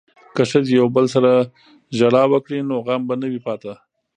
که ښځې یو بل سره ژړا وکړي نو غم به نه وي پاتې.